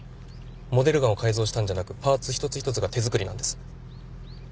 モデルガンを改造したんじゃなくパーツ一つ一つが手作りなんです。